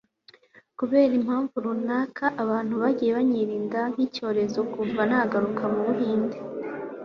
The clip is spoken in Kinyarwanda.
kubwimpamvu runaka, abantu bagiye banyirinda nkicyorezo kuva nagaruka mubuhinde